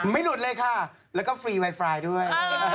ไวไฟหลุดบ่อยหรือเปล่าคะไม่หลุดเลยค่ะแล้วก็ฟรีไวไฟด้วย